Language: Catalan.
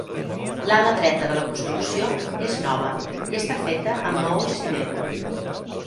L'ala dreta de la construcció és nova i està feta amb maó i ciment.